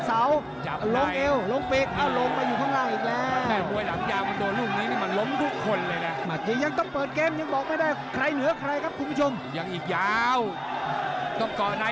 แฟนมวยอยู่นิ่งไม่ได้อยู่เฉยไม่ได้